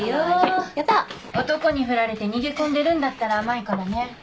男に振られて逃げ込んでるんだったら甘いからね。